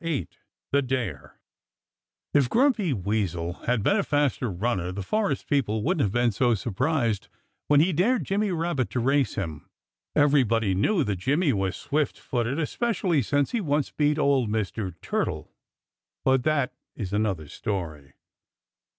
VIII THE DARE If Grumpy Weasel had been a faster runner the forest people wouldn't have been so surprised when he dared Jimmy Rabbit to race him. Everybody knew that Jimmy was swift footed especially since he once beat old Mr. Turtle (but that is another story).